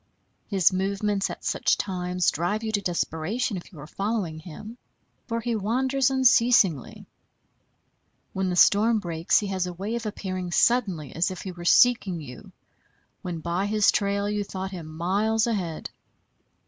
His movements at such times drive you to desperation, if you are following him; for he wanders unceasingly. When the storm breaks he has a way of appearing suddenly, as if he were seeking you, when by his trail you thought him miles ahead.